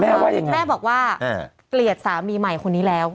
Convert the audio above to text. ว่ายังไงแม่บอกว่าเกลียดสามีใหม่คนนี้แล้ว